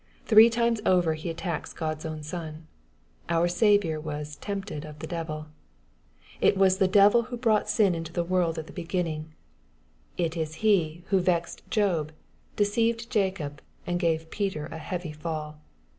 Three times over he attacks God's own Son, Our Saviour was " tempted of the deviL" It was the devil who brought sin into tie world at thfl MATTHEW, CHAP. IT. 23 beginning. This is he, who vexed Job, deceived David, and gave Peter^ieavy fall.